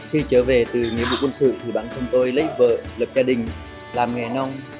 khi trở về từ nghĩa vụ quân sự thì bản thân tôi lấy vợ lập gia đình làm nghề nông